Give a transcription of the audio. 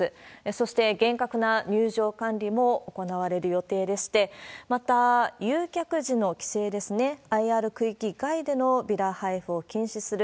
そして厳格な入場管理も行われる予定でして、また、誘客時の規制ですね、ＩＲ区域外でのビラ配布を禁止する。